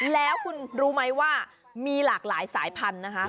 แล้วคุณรู้ไหมว่ามีหลากหลายสายพันธุ์นะคะ